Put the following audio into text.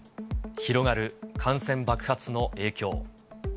広がる感染爆発の影響。